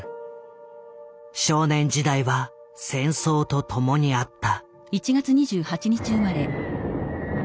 少年時代は戦争とともにあった。